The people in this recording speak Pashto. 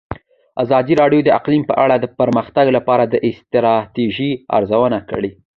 ازادي راډیو د اقلیم په اړه د پرمختګ لپاره د ستراتیژۍ ارزونه کړې.